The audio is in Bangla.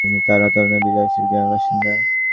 তাঁরা তানোরের বিলশহর গ্রামের বাসিন্দা।